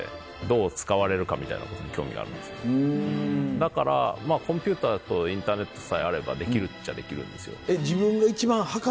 だからコンピューターとインターネットさえあればできるっちゃできるんですよ。とかが一番いいかも。